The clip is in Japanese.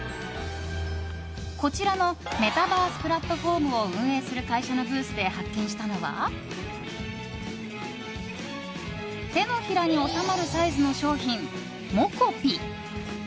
こちらのメタバースプラットフォームを運営する会社のブースで発見したのは手のひらに収まるサイズの商品ｍｏｃｏｐｉ。